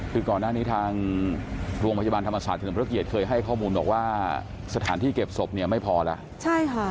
คือก่อนหน้านี้ทางรวมพจบันธรรมศาสตร์ถึงพระเกียจเคยให้ข้อมูลบอกว่าสถานที่เก็บศพไม่พอแล้ว